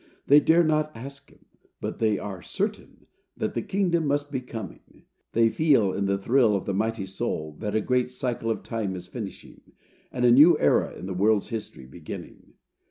They dare not ask him, but they are certain that the kingdom must be coming. They feel, in the thrill of that mighty soul, that a great cycle of time is finishing, and a new era in the world's history beginning.